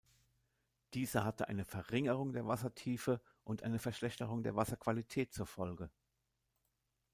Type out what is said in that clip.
Diese hatte eine Verringerung der Wassertiefe und eine Verschlechterung der Wasserqualität zur Folge.